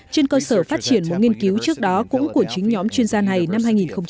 trên cơ sở phát triển một nghiên cứu trước đó cũng của chính nhóm chuyên gia này năm hai nghìn một mươi tám